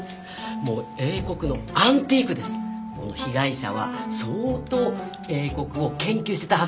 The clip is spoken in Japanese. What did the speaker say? もう英国のアンティークです被害者は相当英国を研究してたはずなんです